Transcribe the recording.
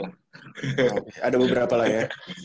ada beberapa lah ya